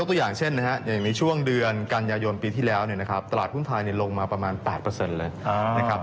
ถืออย่างเช่นนะฮะยังมีช่วงเดือนกันยโยนปีที่แล้วนะครับตลาดหุ้นไทยมันลงมาประมาณ๘เปอร์เซ็นต์เลยนะครับ